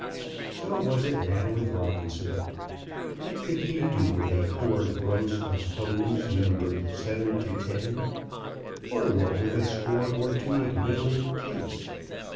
So was it now with Robinson. What could he do with a poor gross of hose, numbered 7 to 10? or what with a score or two of middling kids?